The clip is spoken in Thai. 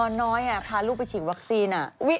น้อยพาลูกไปฉีดวัคซีน